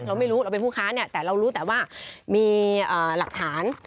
เราไม่รู้เราเป็นผู้ค้าเนี่ยแต่เรารู้แต่ว่ามีหลักฐาน